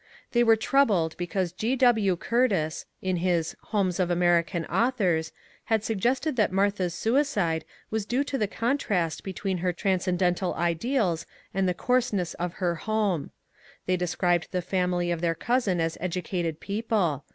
They were troubled because G. W. Curtis, in his ^^ Homes of American Authors," had suggested that Martha's suicide was due to the contrast between her transcendental ideals and the coarseness of her home. They described the family of their cousin as educated people.